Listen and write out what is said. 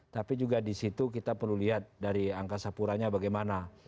tapi juga di situ kita perlu lihat dari angkasa puranya bagaimana